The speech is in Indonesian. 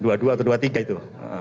dua puluh dua atau dua puluh tiga itu